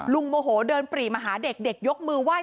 ลุงโมโถเดินปลี่มาหาเด็กเด็กยกมือไหว่